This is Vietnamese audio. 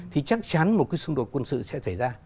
thì chắc chắn một cái xung đột quân sự sẽ xảy ra